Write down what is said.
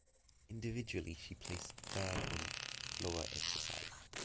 Individually she placed third on floor exercise.